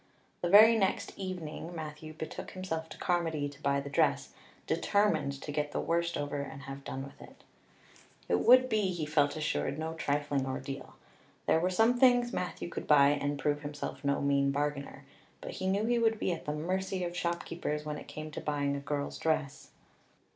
The very next evening Matthew betook himself to Carmody to buy the dress, determined to get the worst over and have done with it. It would be, he felt assured, no trifling ordeal. There were some things Matthew could buy and prove himself no mean bargainer; but he knew he would be at the mercy of shopkeepers when it came to buying a girl's dress.